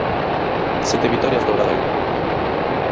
Sete vitorias do Obradoiro.